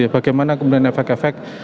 bagaimana kemudian efek efek